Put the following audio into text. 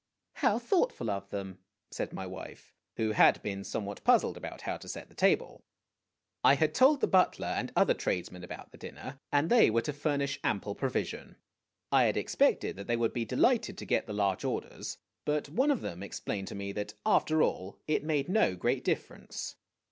" How thoughtful of them !" said my wife, who had been some what puzzled about how to set the table. I had told the butcher and other tradesmen about the dinner, and they were to furnish ample provision. I had expected that they would be delighted to get the large orders ; but one of them ex plained to me that after all it made no great difference.